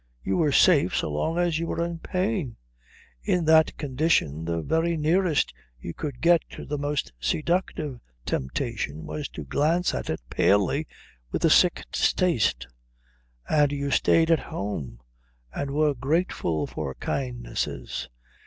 You were safe so long as you were in pain. In that condition the very nearest you could get to the most seductive temptation was to glance at it palely, with a sick distaste. And you stayed at home, and were grateful for kindnesses.